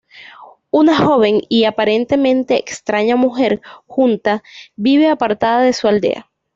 Una joven y aparentemente extraña mujer, Junta, vive apartada de su aldea.